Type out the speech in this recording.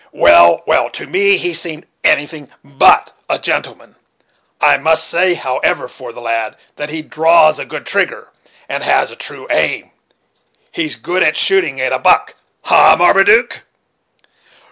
"Well, well, to me he seemed anything but a gentleman. I must say, however, for the lad, that he draws a good trigger, and has a true aim. He's good at shooting a buck, ha! Marmaduke?"